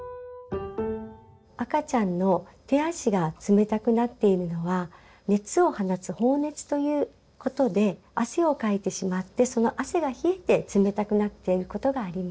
赤ちゃんの手足が冷たくなっているのは熱を放つ放熱ということで汗をかいてしまってその汗が冷えて冷たくなっていることがあります。